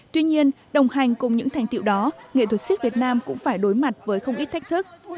tuy nhiên đồng hành cùng những thành tiệu đó nghệ thuật siếc việt nam cũng phải đối mặt với không ít thách thức